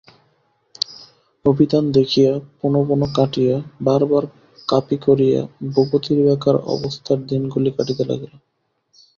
অভিধান দেখিয়া পুনঃপুনঃ কাটিয়া, বারবার কাপি করিয়া ভূপতির বেকার অবস্থার দিনগুলি কাটিতে লাগিল।